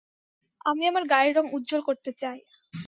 আমি আমার গায়ের রঙ উজ্জ্বল করতে চাই।